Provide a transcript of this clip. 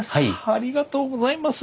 ありがとうございます！